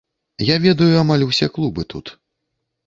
Я ведаю амаль усе клубы тут.